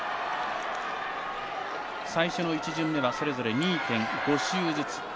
最初の１順目はそれぞれ２．５周ずつ。